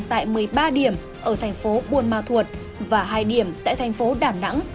tại một mươi ba điểm ở thành phố buôn ma thuột và hai điểm tại thành phố đà nẵng